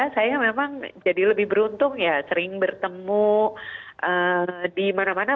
saya memang jadi lebih beruntung ya sering bertemu di mana mana